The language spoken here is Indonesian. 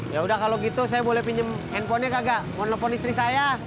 yaudah kalau gitu saya boleh pinjem handphonenya kagak mau nelfon istri saya